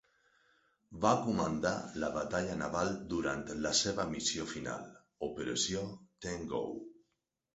Va comandar la batalla naval durant la seva missió final: Operació "Ten-Go".